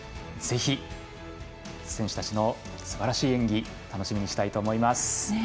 ぜひ選手たちのすばらしい演技楽しみにしたいと思います。